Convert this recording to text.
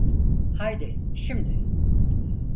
Haydi, şimdi.